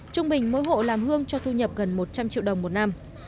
trung bình mỗi hộ làm hương cho thu nhập gần một trăm linh triệu đồng một năm